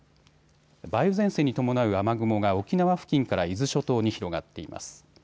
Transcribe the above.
梅雨前線に伴う雨雲が沖縄付近から伊豆諸島に広がっています。